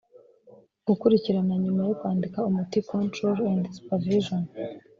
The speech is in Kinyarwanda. gukurikirana nyuma yo kwandika umuti control and supervision